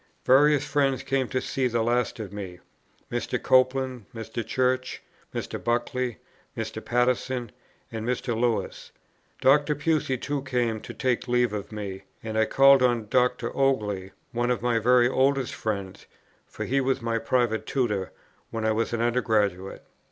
Various friends came to see the last of me; Mr. Copeland, Mr. Church, Mr. Buckle, Mr. Pattison, and Mr. Lewis. Dr. Pusey too came up to take leave of me; and I called on Dr. Ogle, one of my very oldest friends, for he was my private Tutor, when I was an Undergraduate.